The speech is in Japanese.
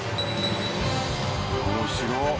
面白っ。